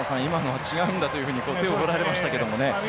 今のは違うんだというふうに手を振られましたけどもね。